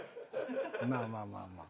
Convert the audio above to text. まあまあまあまあ。